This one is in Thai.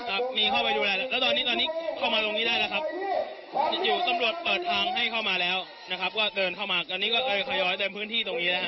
จะมีเข้าไปดูแลแล้วตอนนี้ตอนนี้เข้ามาตรงนี้ได้แล้วครับอยู่ตำรวจเปิดทางให้เข้ามาแล้วนะครับก็เดินเข้ามาตอนนี้ก็เลยทยอยเต็มพื้นที่ตรงนี้นะครับ